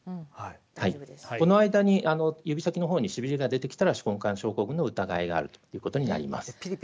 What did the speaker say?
この間に指先の方にしびれが出てきたら手根管症候群の疑いがあることになります。